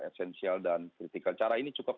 esensial dan kritikal cara ini cukup